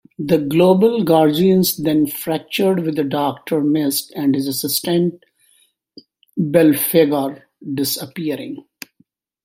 The Global Guardians then fractured with Doctor Mist and his assistant Belphegor, disappearing.